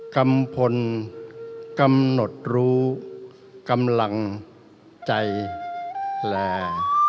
กัมพลกำหนดรู้กำลังใจลา